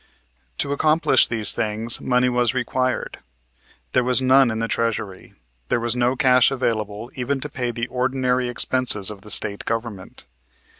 To accomplish these things money was required. There was none in the treasury. There was no cash available even to pay the ordinary expenses of the State government.